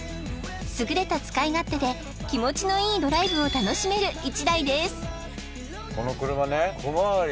優れた使い勝手で気持ちのいいドライブを楽しめる一台です